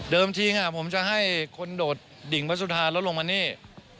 ทีผมจะให้คนโดดดิ่งพระสุธาแล้วลงมานี่